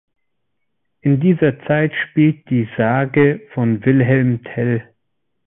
In dieser Zeit spielt die Sage von Wilhelm Tell.